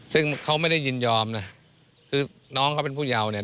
ซึ่งเขาไม่ได้ยินยอมนะคือน้องเขาเป็นผู้เยาว์เนี่ย